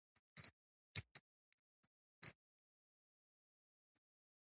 پاک رب مو مل او ملګری شه.